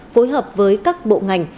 phối hợp với các bộ ngành